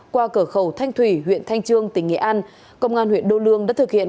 qua cửa khẩu thanh thủy huyện thanh trương tỉnh nghệ an công an huyện đô lương đã thực hiện